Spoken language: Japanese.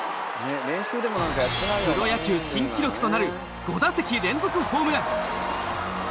プロ野球新記録となる５打席連続ホームラン！